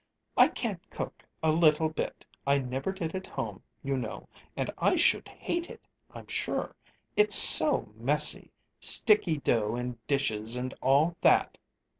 "I can't cook a little bit. I never did at home, you know, and I should hate it, I'm sure. It's so messy sticky dough and dishes, and all that!"